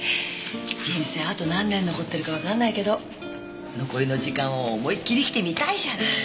人生あと何年残ってるかわかんないけど残りの時間を思いっきり生きてみたいじゃない。